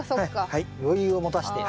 はい。